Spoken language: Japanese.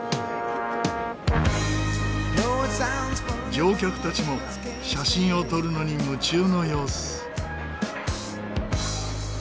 乗客たちも写真を撮るのに夢中の様子。